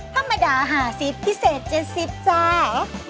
ธรรมดาหาสิบพิเศษเจ็ดสิบจ้า